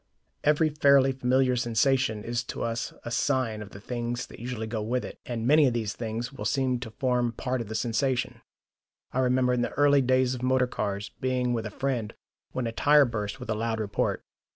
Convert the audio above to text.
Every fairly familiar sensation is to us a sign of the things that usually go with it, and many of these things will seem to form part of the sensation. I remember in the early days of motor cars being with a friend when a tyre burst with a loud report.